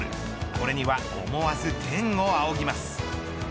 これには思わず天を仰ぎます。